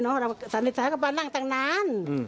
ประสานิทรรรณ์ก็บอกว่านั่งตั้งนั้น